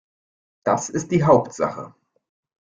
Das ist die Hauptsache.